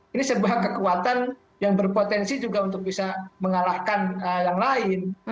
ini sebuah kekuatan yang berpotensi juga untuk bisa mengalahkan yang lain